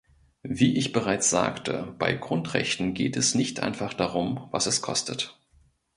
Wie ich bereits sagte, bei Grundrechten geht es nicht einfach darum, was es kostet.